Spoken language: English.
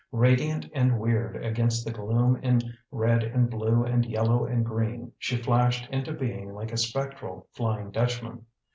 Radiant and weird against the gloom in red and blue and yellow and green, she flashed into being like a spectral Flying Dutchman.